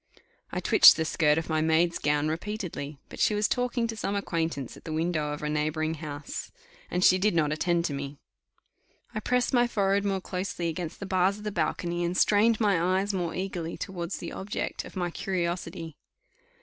I twitched the skirt of my maid's gown repeatedly, but she was talking to some acquaintance at the window of a neighbouring house, and she did not attend to me. I pressed my forehead more closely against the bars of the balcony, and strained my eyes more eagerly towards the object of my curiosity.